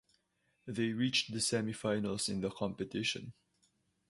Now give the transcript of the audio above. They reached the semi-finals in the competition.